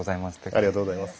ありがとうございます。